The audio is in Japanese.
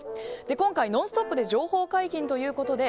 今回、「ノンストップ！」で情報解禁ということで